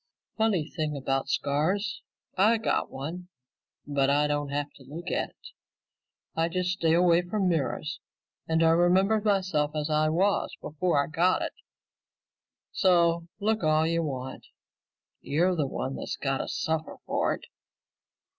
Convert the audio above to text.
"Funny thing about scars. I got one, but I don't have to look at it. I just stay away from mirrors and I remember myself as I was before I got it. So look all you want. You're the one that's got to suffer for it."